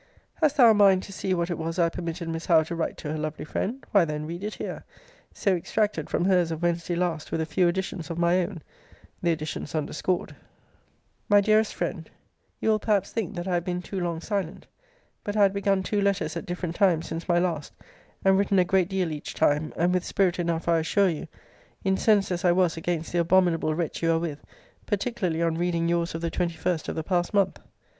Hast thou a mind tot see what it was I permitted Miss Howe to write to her lovely friend? Why then, read it here, so extracted from her's of Wednesday last, with a few additions of my own. The additions underscored.* * Editor's note: In place of italics, as in the original, I have substituted hooks []. MY DEAREST FRIEND, You will perhaps think that I have been too long silent. But I had begun two letters at different times since my last, and written a great deal each time; and with spirit enough I assure you; incensed as I was against the abominable wretch you are with; particularly on reading your's of the 21st of the past month.